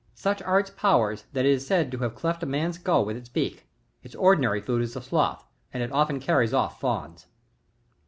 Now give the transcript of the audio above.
Such are its powers that it is said to have cleft a man's skull with its beak ; its ordinary food is the sloth, and it often carries ofi" fawns.